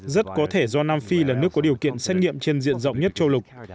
rất có thể do nam phi là nước có điều kiện xét nghiệm trên diện rộng nhất châu lục